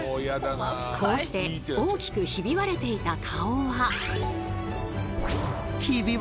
こうして大きくひび割れていた顔は。